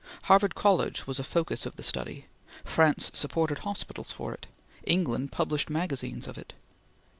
Harvard College was a focus of the study; France supported hospitals for it; England published magazines of it.